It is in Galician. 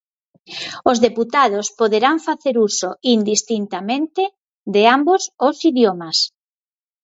Os deputados poderán facer uso indistintamente de ambos os idiomas.